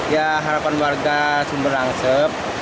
ya harapan warga sumber angsep